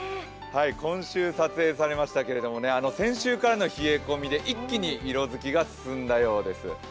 今週撮影されましたけれども、先週からの冷え込みで一気に色づきが進んだようです。